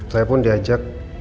saya pun diajak